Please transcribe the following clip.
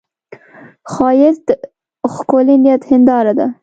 ښایست د ښکلي نیت هنداره ده